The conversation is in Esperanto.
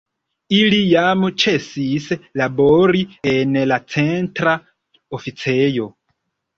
Ili jam ĉesis labori en la Centra Oficejo.